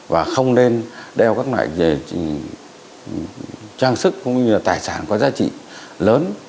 và không nên đeo các loại về trang sức cũng như là tài sản có giá trị lớn